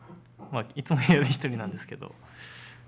いつも部屋は一人なんですけど。